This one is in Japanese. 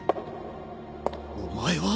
お前は！？